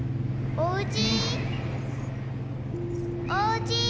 おうち。